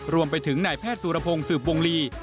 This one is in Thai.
รวมไปถึงนายแพทย์สุรพงศ์สืบวงลี